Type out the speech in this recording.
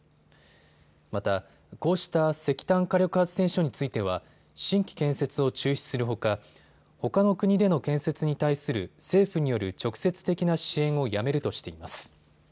また、こうした石炭火力発電所については新規建設を中止するほかほかの国での建設に対する政府による直接的な支援をやめるとしています。